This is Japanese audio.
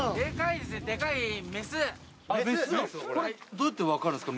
どうやってわかるんですか